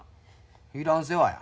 いらん世話や。